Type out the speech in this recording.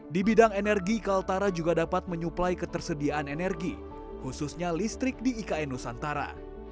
di bidang energi kaltara juga dapat menyuplai ketersediaan energi khususnya listrik di ikn nusantara